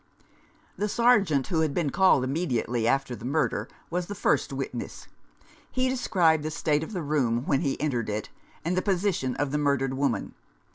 The Sergeant, who had been called immediately after the murder, was the first witness. He described the state of the room when he entered it, and the position of the murdered woman.